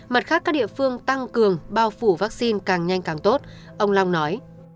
mặt khác các địa phương tăng cường bao phủ vaccine càng nhanh càng tốt ông long nói